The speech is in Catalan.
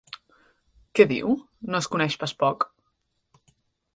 -Què diu? No es coneix pas poc!